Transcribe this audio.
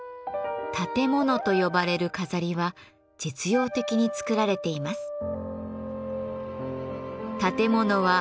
立て物と呼ばれる飾りは実用的に作られています。